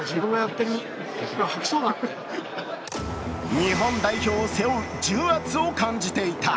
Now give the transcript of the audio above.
日本代表を背負う重圧を感じていた。